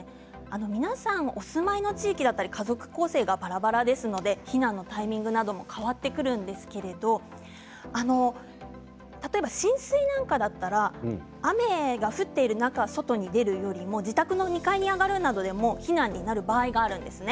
皆さんお住まいの地域だったり家族構成がばらばらですので避難のタイミングも変わってくるんですけれど例えば浸水なんかだったら雨が降っている中外へ出るよりも自宅の２階に上がるなどでも避難になる場合があるんですね。